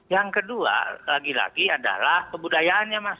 yang kedua lagi lagi adalah kebudayaannya mas